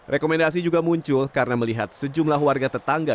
rekomendasi juga muncul karena melihat sejumlah warga tetangga